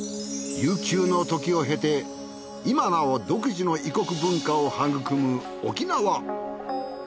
悠久の時を経て今なお独自の異国文化を育む沖縄。